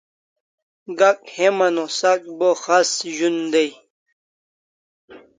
Gak heman o sak bo khas zun day